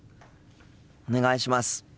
お願いします。